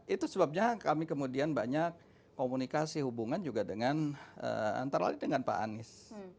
itu sebabnya kami kemudian banyak komunikasi hubungan juga dengan antara lain dengan pak anies